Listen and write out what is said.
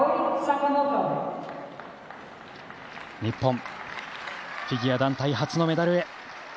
日本フィギュア団体初のメダルへ。